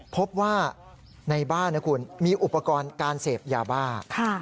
พบว่าในบ้านนะคุณมีอุปกรณ์การเสพยาบ้า